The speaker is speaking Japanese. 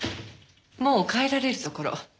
もう帰られるところ。